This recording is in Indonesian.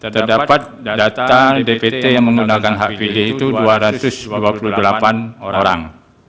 terdapat data dpt yang menggunakan hak pilih itu dua ratus dua puluh delapan orang